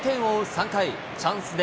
３回、チャンスで